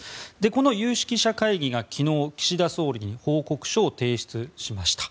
この有識者会議が昨日岸田総理に報告書を提出しました。